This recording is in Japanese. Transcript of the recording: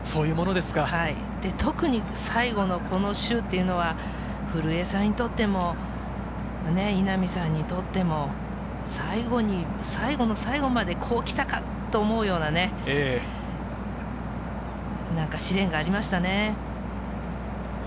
特に最後のこの週は、古江さんにとっても稲見さんにとっても、最後の最後までこう来たかと思うような試練がありましたね。